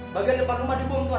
bagian depan rumah dibom tuan